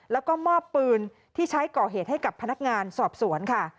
แล้วก็มอบปืนที่ใช้ก่อเหตุให้กับพนักงานสอบสวนค่ะ